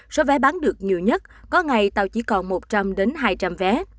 số vé bán được nhiều nhất có ngày tàu chỉ còn một trăm linh hai trăm linh vé